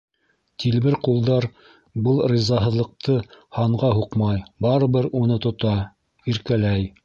Тилбер ҡулдар был ризаһыҙлыҡты һанға һуҡмай, барыбер уны тота, иркәләй.